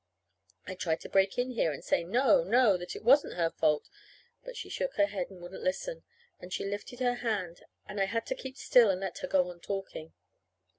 I tried to break in here, and say, "No, no," and that it wasn't her fault; but she shook her head and wouldn't listen, and she lifted her hand, and I had to keep still and let her go on talking.